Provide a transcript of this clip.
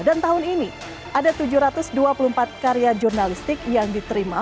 dan tahun ini ada tujuh ratus dua puluh empat karya jurnalistik yang diterima